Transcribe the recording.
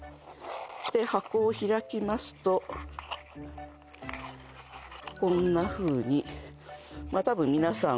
箱を開きますとこんなふうに多分皆さん